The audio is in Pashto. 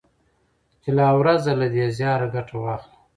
چي لا ورځ ده له دې زياره ګټه واخله